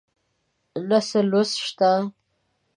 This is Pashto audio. نه څه لوست شته